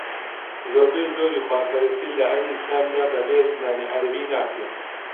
زۆربەی زۆری خوداپەرستی لە ئاینی ئیسلامدا بەبێ زمانی عەرەبی ناکرێ